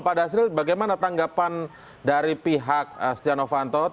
pak dasril bagaimana tanggapan dari pihak setia novanto